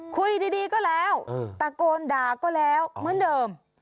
คุยดีก็แล้วตะโกนด่าก็แล้วเหมือนเดิม